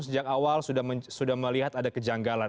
tim kuasa hukum sejak awal sudah melihat ada kejanggalan